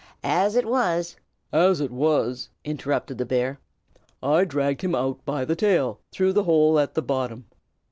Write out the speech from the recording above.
As it was " "As it was," interrupted the bear, "I dragged him out by the tail through the hole at the bottom.